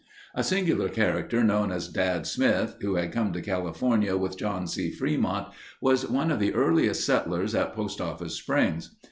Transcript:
A singular character known as Dad Smith, who had come to California with John C. Fremont was one of the earliest settlers at Post Office Springs.